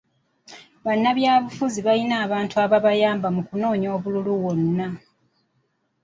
Bannabyabufuzi balina abantu ababayamba mu kunoonya obululu wonna.